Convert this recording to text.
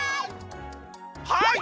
はい！